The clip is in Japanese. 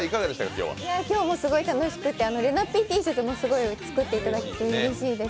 今日もすごく楽しくて、れなッピーＴシャツも作っていただいてうれしいです。